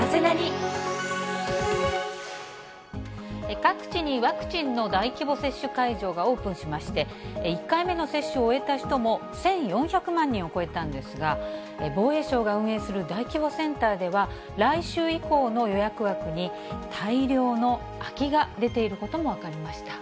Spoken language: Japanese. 各地にワクチンの大規模接種会場がオープンしまして、１回目の接種を終えた人も１４００万人を超えたんですが、防衛省が運営する大規模センターでは、来週以降の予約枠に大量の空きが出ていることも分かりました。